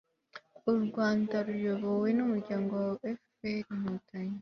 u rwanda ruyobowe n'umuryango fpr-inkotanyi